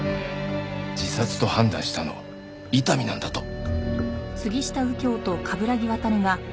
自殺と判断したのは伊丹なんだと。